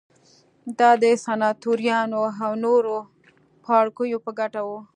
دا د سناتوریال او نورو پاړوکیو په ګټه وه